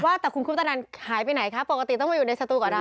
ว่าแต่คุณคุบตะนันหายไปไหนปกติเต้ามาอยู่ในสตุป่ะเรา